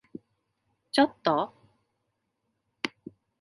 ちょっと？